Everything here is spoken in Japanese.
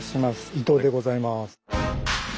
伊藤でございます。